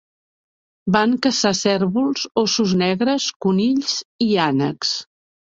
Van caçar cérvols, ossos negres, conills i ànecs.